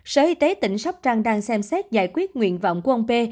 sở y tế tỉnh sóc trăng đang xem xét giải quyết nguyện vọng của ông p